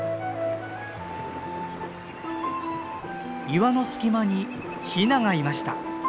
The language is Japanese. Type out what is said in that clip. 岩の隙間にヒナがいました。